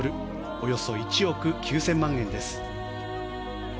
およそ１億９０００万円です。